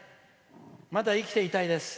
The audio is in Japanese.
まだ生きていたいです」。